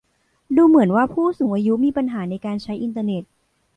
ดูเหมือนว่าผู้สูงอายุมีปัญหาในการใช้อินเทอร์เน็ต